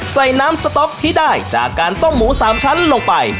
ใส่น้ำสต๊อกที่ได้จากการต้มหมู๓ชั้นลงไป